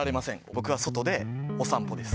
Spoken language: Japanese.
僕は外でお散歩です。